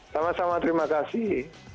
sama sama terima kasih